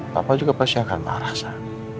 papa juga pasti akan marah sah